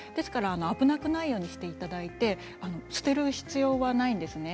危なくないようにしていただいて捨てる必要はないですね。